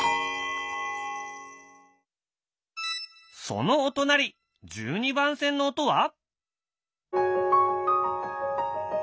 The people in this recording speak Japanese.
そのお隣１２番線の音は？